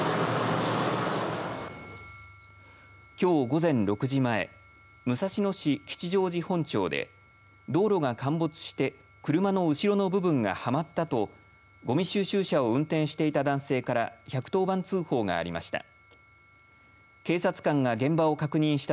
きょう午前６時前武蔵野市吉祥寺本町で道路が陥没して車の後ろの部分がはまったとごみ収集車を運転していた男性から１１０番通報がありました。